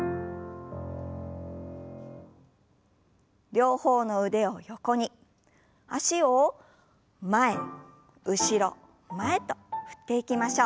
両方の腕を横に脚を前後ろ前と振っていきましょう。